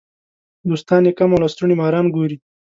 دوستان یې کم او لستوڼي ماران ګوري.